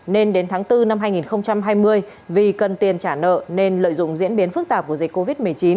nên đến tháng bốn năm hai nghìn hai mươi vì cần tiền trả nợ nên lợi dụng diễn biến phức tạp của dịch covid một mươi chín